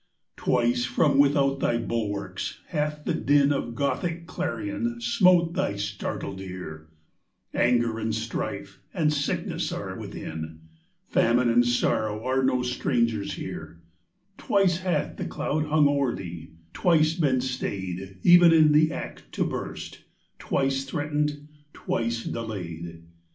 XIV. Twice, from without thy bulwarks, hath the din Of Gothic clarion smote thy startled ear ; Anger, and strife, and sickness are within, Famine and sorrow are no strangers here : Twice hath the cloud hung o'er thee, twice been stayed Even in the act to burst, twice threatened, twice delayed.